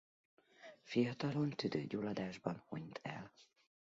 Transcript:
Fiatalon tüdőgyulladásban hunyt el.